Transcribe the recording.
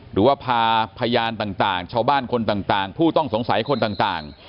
หรือว่าพาพยานต่างชาวบ้านคนต่างผู้ต้องสงสัยคนต่าง